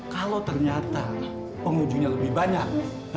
kalau ternyata pengujinya lebih banyak